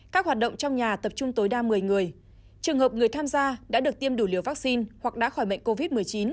các hoạt động trong nhà tập trung tối đa một mươi người trường hợp người tham gia đã được tiêm đủ liều vaccine hoặc đã khỏi bệnh covid một mươi chín